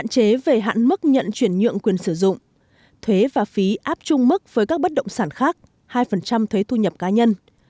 tức nhận chuyển nhượng quyền sử dụng thuế và phí áp trung mức với các bất động sản khác hai thuế thu nhập cá nhân